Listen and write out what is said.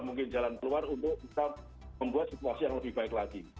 mungkin jalan keluar untuk bisa membuat situasi yang lebih baik lagi